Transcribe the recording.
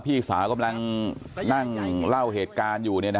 พี่สาวกำลังนั่งเล่าเหตุการณ์อยู่